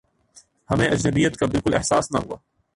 ہمیں اجنبیت کا بالکل احساس نہ ہوا